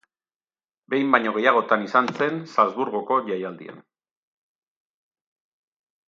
Behin baino gehiagotan izan zen Salzburgoko Jaialdian.